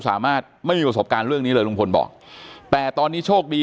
ไม่มีประสบการณ์เรื่องนี้เลยลุงพลบอกแต่ตอนนี้โชคดี